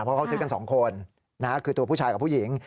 เพราะเขาซื้อกัน๒คนคือตัวผู้ชายกับผู้หญิง